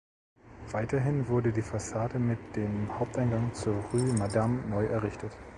Weiterhin wurde die Fassade mit dem Haupteingang zur Rue Madame neu errichtet.